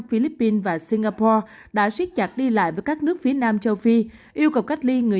philippines và singapore đã siết chặt đi lại với các nước phía nam châu phi yêu cầu cách ly người